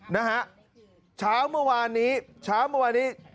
นะฮะเช้าเมื่อวานนี้เช้าเมื่อวานนี้